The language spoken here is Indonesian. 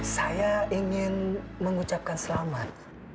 saya ingin mengucapkan selamat